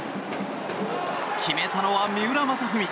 決めたのは三浦誠史。